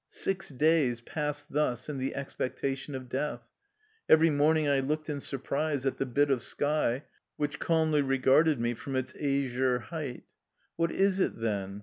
Six days passed thus in the expectation of death. Every morning I looked in surprise at the bit of sky, which calmly regarded me from its azure height. " What is it, then?